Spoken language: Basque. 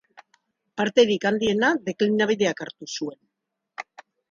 Parterik handiena deklinabideak hartu zuen.